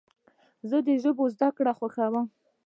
زه د ژبونو زدهکړه خوښوم.